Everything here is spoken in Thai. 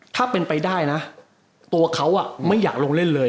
ถ้าเป็นไปได้นะตัวเขาไม่อยากลงเล่นเลย